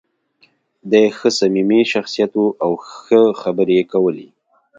دی ښه صمیمي شخصیت و او ښه خبرې یې کولې.